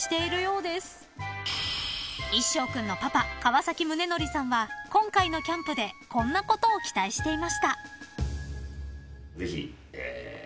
［いっしょう君のパパ川宗則さんは今回のキャンプでこんなことを期待していました］